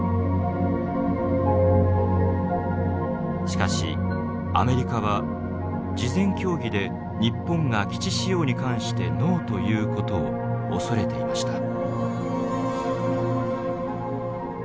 しかしアメリカは事前協議で日本が基地使用に関して「ノー」ということを恐れていました。